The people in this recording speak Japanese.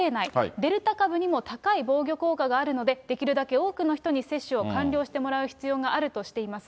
デルタ株にも高い防御効果があるので、できるだけ多くの人に接種を完了してもらう必要があるとしています。